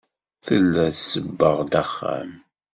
Tella tsebbeɣ-d axxam.